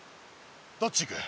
どっち行く？